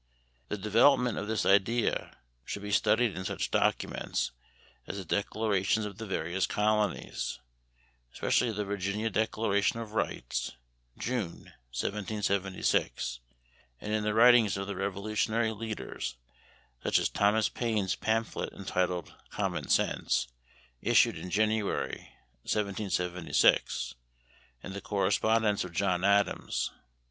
The development of this idea should be studied in such documents as the declarations of the various colonies, especially the Virginia Declaration of Rights, June, 1776, and in the writings of the Revolutionary leaders such as Thomas Paine's pamphlet entitled "Common Sense" issued in January, 1776, and the correspondence of John Adams.